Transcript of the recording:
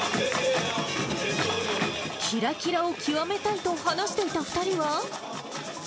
きらきらを極めたいと話していた２人は。